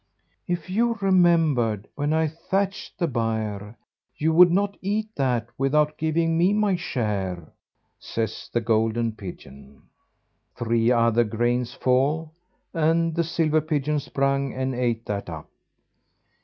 "If you remembered when I thatched the byre, you would not eat that without giving me my share," says the golden pigeon. Three other grains fall, and the silver pigeon sprung, and ate that up.